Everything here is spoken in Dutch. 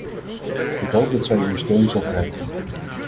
Ik hoop dat zij uw steun zal krijgen.